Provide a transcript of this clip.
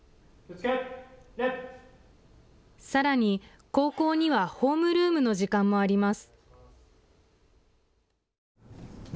さらに高校にはホームルームの時間もあります。